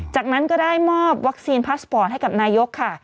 จากนั้นก็ได้มอบวัคซีนพาสปอร์ตให้กับนายกค่ะ